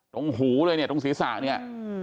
ตรงหูตรงศีรษะเนี่ย